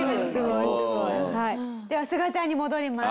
ではすがちゃんに戻ります。